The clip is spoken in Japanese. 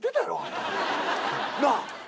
なあ？